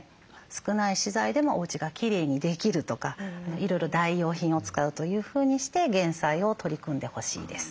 少ない資材でもおうちがきれいにできるとかいろいろ代用品を使うというふうにして減災を取り組んでほしいです。